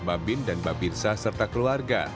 mbak bin dan mbak birsa serta keluarga